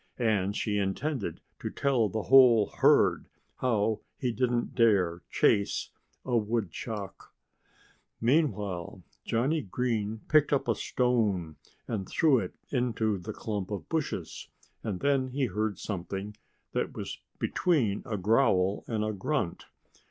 And she intended to tell the whole herd how he didn't dare chase a woodchuck. Meanwhile Johnnie Green picked up a stone and threw it into the clump of bushes. And then he heard something that was between a growl and a grunt.